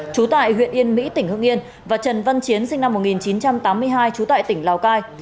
chú tại huyện yên mỹ tỉnh hưng yên và trần văn chiến sinh năm một nghìn chín trăm tám mươi hai chú tại tỉnh lào cai